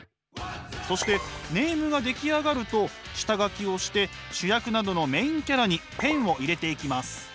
そしてネームが出来上がると下描きをして主役などのメインキャラにペンを入れていきます。